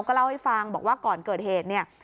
ก็เล่าให้ฟังบอกว่าก่อนเกิดเหตุเนี่ย